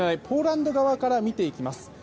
ポーランド側から見ていきます。